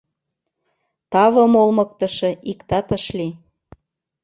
Тавым олмыктышо иктат ыш лий.